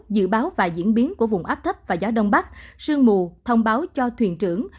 dự báo và diễn biến của vùng áp thấp và gió đông bắc sương mù thông báo cho thuyền trưởng